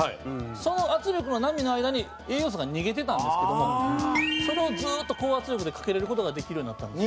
その圧力の波の間に栄養素が逃げてたんですけどもそれをずっと高圧力でかけれる事ができるようになったんです。